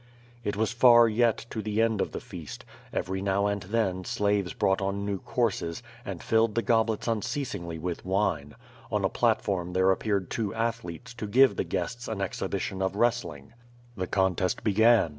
It was far yet to the end of the feast. Every now and then slaves brought on new courses, and filled the goblets unceas ingly with wine. On a platform there appeared two athletes, to give the guests an exhibition of wrestling. The contest began.